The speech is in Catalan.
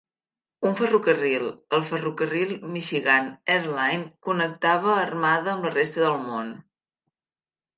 Un ferrocarril, el ferrocarril Michigan Air-Line, connectava Armada amb la resta del món.